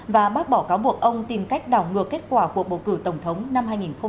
và bác bỏ cáo buộc ông tìm cách đảo ngược kết quả cuộc bầu cử tổng thống năm hai nghìn một mươi sáu